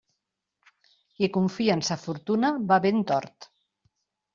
Qui confia en sa fortuna va ben tort.